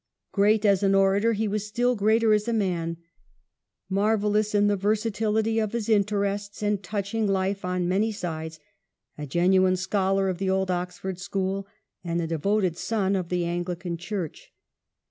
Great as an orator he was still greater as a man ; mai*vellous in the versatility of his interests, and touch ing life on many sides ; a genuine scholar of the old Oxford School, and a devoted son of the Anglican Church.